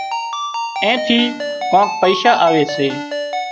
اين ٿي ڪانڪ پئيشا آوي سي